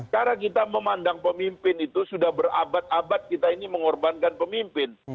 cara kita memandang pemimpin itu sudah berabad abad kita ini mengorbankan pemimpin